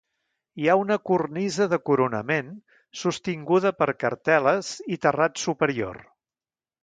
Hi ha una cornisa de coronament, sostinguda per cartel·les, i terrat superior.